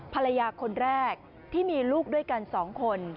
ภรรยาคนแรกที่มีลูกด้วยกัน๒คน